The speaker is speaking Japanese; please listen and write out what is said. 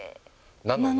なのに。